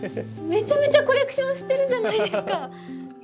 めちゃめちゃコレクションしてるじゃないですか。